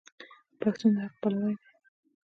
پښتون د حق پلوی دی.